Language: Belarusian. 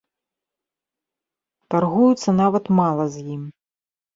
Таргуюцца нават мала з ім.